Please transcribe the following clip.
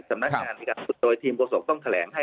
สำนักงานที่การสุดโดยทีมประสบต้องแขลงให้